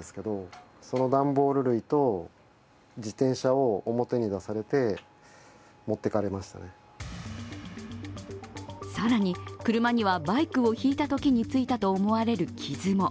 被害に遭った男性は更に車にはバイクをひいたときについたと思われる傷も。